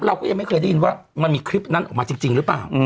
เราก็ยังไม่เคยได้ยินว่ามันมีคลิปนั้นออกมาจริงหรือเปล่า